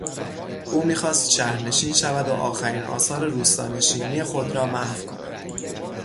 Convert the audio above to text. او میخواستشهرنشین شود و آخرین آثار روستانشینی خود را محو کند.